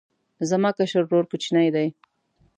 زما کشر ورور کوچنی دی